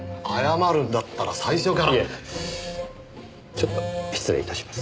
ちょっと失礼いたします。